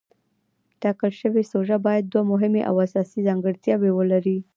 ټاکل شوې سوژه باید دوه مهمې او اساسي ځانګړتیاوې ولري.